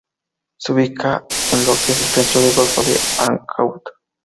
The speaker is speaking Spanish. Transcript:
Se ubica en lo que es el centro del golfo de Ancud.